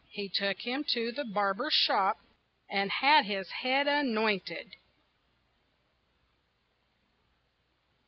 He took him to the barber shop And had his head anointed.